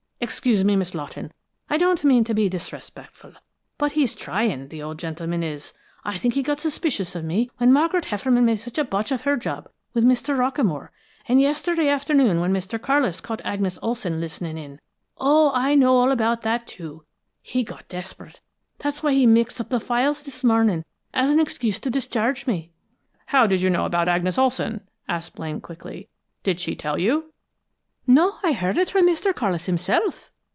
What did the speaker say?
Excuse me, Miss Lawton, I don't mean to be disrespectful, but he's trying, the old gentleman is! I think he got suspicious of me when Margaret Hefferman made such a botch of her job with Mr. Rockamore, and yesterday afternoon when Mr. Carlis caught Agnes Olson listening in oh, I know all about that, too! he got desperate. That's why he mixed up the files this morning, for an excuse to discharge me." "How did you know about Agnes Olson?" asked Blaine quickly. "Did she tell you?" "No, I heard it from Mr. Carlis himself!"